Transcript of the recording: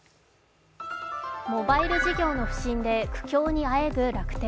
モバイル事業の不振で苦境にあえぐ楽天。